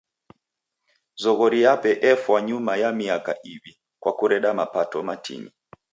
Zoghori yape efwa nyuma ya miaka iw'i kwa kureda mapato matini.